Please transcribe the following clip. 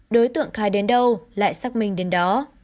đối tượng khai đến đâu lại xác minh đến đó